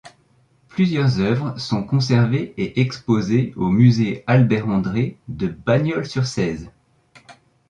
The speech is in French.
Plusieurs œuvres sont conservées et exposées au Musée Albert-André de Bagnols-sur-Cèze.